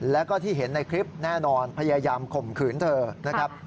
แล้วก็ที่เห็นในคลิปแน่นอนพยายามข่มขืนเธอนะครับ